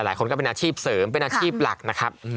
หลายคนก็เป็นอาชีพเสริมเป็นอาชีพหลักนะครับ